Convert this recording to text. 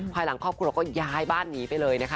ภายหลังครอบครัวก็ย้ายบ้านหนีไปเลยนะคะ